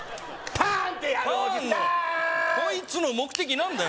パーンのこいつの目的何だよ？